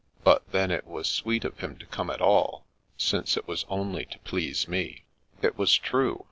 But then, it was sweet of him to come at all, since it was only to please me." It was true.